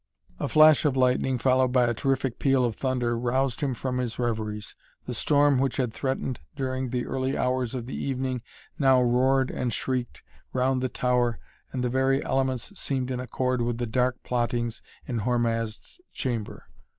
A flash of lightning followed by a terrific peal of thunder roused him from his reveries. The storm which had threatened during the early hours of the evening now roared and shrieked round the tower and the very elements seemed in accord with the dark plottings in Hormazd's chamber.